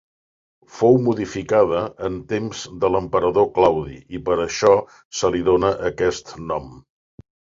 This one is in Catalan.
Fou modificada en temps de l'emperador Claudi i per això se li dóna aquest nom.